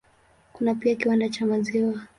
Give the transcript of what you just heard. Kuna pia kiwanda cha maziwa.